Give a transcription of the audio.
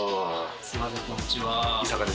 すみません、こんにちは。